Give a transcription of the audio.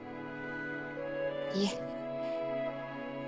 いえ。